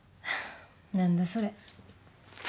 何だそれ？